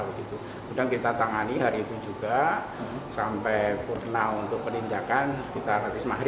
kemudian kita tangani hari itu juga sampai purwokerto untuk penindakan sekitar rizmahri